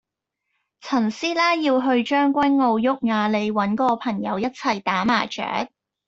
陳師奶要去將軍澳毓雅里搵個朋友一齊打麻雀